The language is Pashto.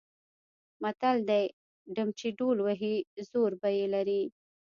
متل دی: ډم چې ډول وهي زور به یې لري.